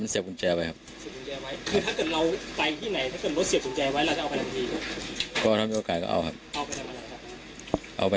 ไม่รู้ทุกอย่าง